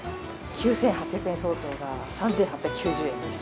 ９８００円相当が、３８９０円です。